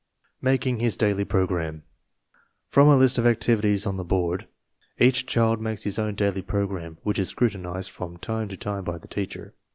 MAKING HIS DAILY PROGRAM Prom a list of activities on the board, each child makes his own daily program, which is scrutinized from time to time by the teacher.